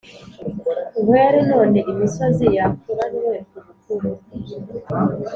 “ntwere, none imisozi yakuranywe ku bukuru,